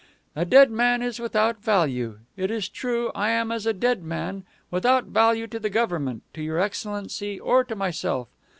"A dead man is without value. It is true, I am as a dead man, without value to the government, to your excellency, or to myself.